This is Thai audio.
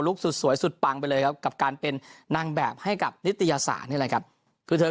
ลู้สุดสวยสัจปังไปเลยแล้วกับการเป็นนางแบบให้กับนิตยศาลนี่นะครับเพราะ